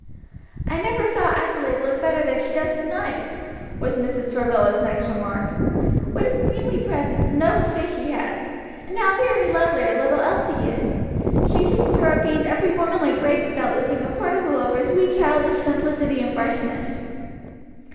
"I never saw Adelaide look better than she does to night," was Mrs. Travilla's next remark; "what a queenly presence, and noble face she has, and how very lovely our little Elsie is! She seems to have gained every womanly grace without losing a particle of her sweet childish simplicity and freshness."